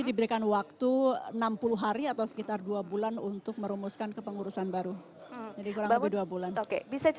dikunci atau terkunci